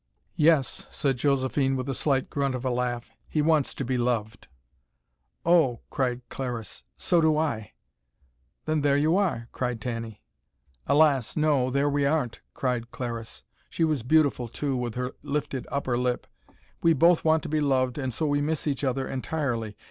"Yes," said Josephine, with a slight grunt of a laugh. "He wants to be loved." "Oh," cried Clariss. "So do I!" "Then there you are!" cried Tanny. "Alas, no, there we aren't," cried Clariss. She was beautiful too, with her lifted upper lip. "We both want to be loved, and so we miss each other entirely.